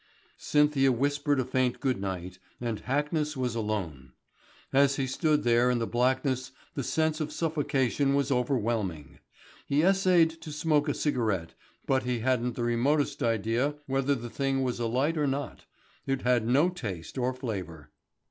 Cynthia whispered a faint good night, and Hackness was alone. As he stood there in the blackness the sense of suffocation was overwhelming. He essayed to smoke a cigarette, but he hadn't the remotest idea whether the thing was alight or not. It had no taste or flavour.